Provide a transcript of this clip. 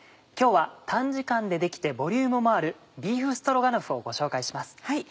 今日は短時間で出来てボリュームもあるビーフストロガノフをご紹介します。